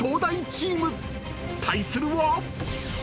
［対するは］